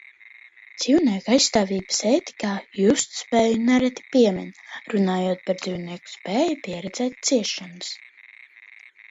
Dzīvnieku aizstāvības ētikā justspēju nereti piemin, runājot par dzīvnieku spēju pieredzēt ciešanas.